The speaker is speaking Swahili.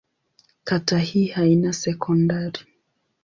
Kata hii haina sekondari.